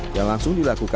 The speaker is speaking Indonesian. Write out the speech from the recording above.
yang langsung dilakukan